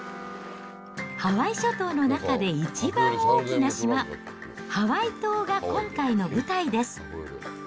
ハワイ諸島の中で一番大きな島、ハワイ島が今回の舞台です。